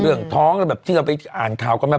เรื่องท้องคือมันถูกเอาไปอ่านข่าวก่อนมา